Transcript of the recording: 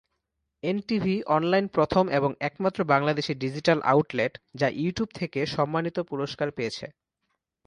NTV online প্রথম এবং একমাত্র বাংলাদেশি ডিজিটাল আউটলেট যা ইউটিউব থেকে সম্মানিত পুরস্কার পেয়েছে।